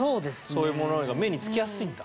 そういうものの方が目につきやすいんだ。